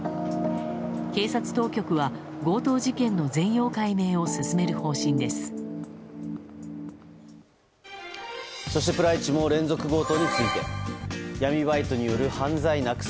警察当局は強盗事件の全容解明を進める方針です。